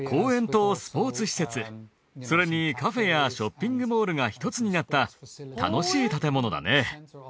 それにカフェやショッピングモールが一つになった楽しい建ものだね。